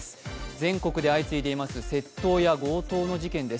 全国で相次いでいます窃盗や強盗の事件です。